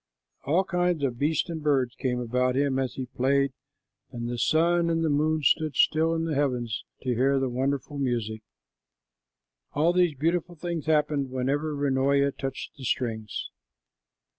All kinds of beasts and birds came about him as he played, and the sun and the moon stood still in the heavens to hear the wonderful music. All these beautiful things happened whenever Runoia touched the strings.